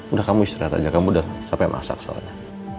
udah kamu istirahat aja kamu udah capek masak soalnya